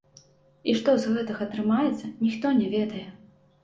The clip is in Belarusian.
І што з гэтага атрымаецца, ніхто не ведае.